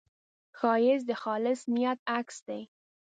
ښایست د خالص نیت عکس دی